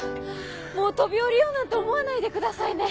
もう飛び降りようなんて思わないでくださいね。